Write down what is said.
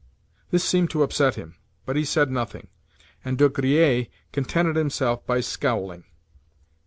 This seemed to upset him, but he said nothing, and De Griers contented himself by scowling.